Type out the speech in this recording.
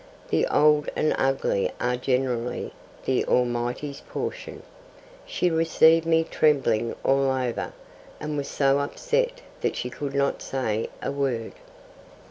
The old and ugly are generally the Almighty's portion. She received me trembling all over, and was so upset that she could not say a word.